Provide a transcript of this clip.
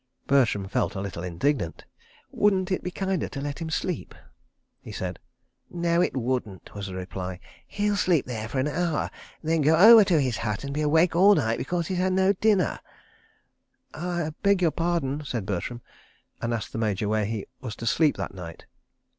Bertram felt a little indignant. "Wouldn't it be kinder to let him sleep?" he said. "No, it wouldn't," was the reply. "He'll sleep there for an hour, and then go over to his hut and be awake all night because he's had no dinner." "I beg your pardon," said Bertram—and asked the Major where he was to sleep that night.